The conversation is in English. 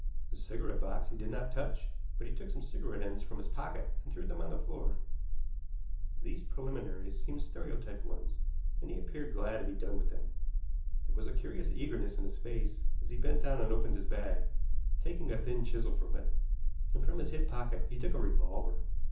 The cigarette box he did not touch, but he took some cigarette ends from his pocket and threw them on the floor. These preliminaries seemed stereotyped ones, and he appeared glad to be done with them. There was a curious eagerness in his face as he bent down and opened his bag, taking a thin chisel from it, and from his hip pocket he took a revolver.